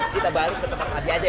kita balik ke tempat tadi aja